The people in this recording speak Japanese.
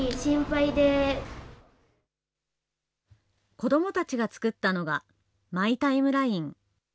子どもたちが作ったのが、マイタイムライン。